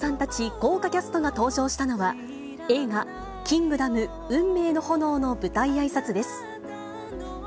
豪華キャストが登場したのは、映画、キングダム運命の炎の舞台あいさつです。